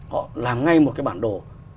họ làm ngay một cái bản đồ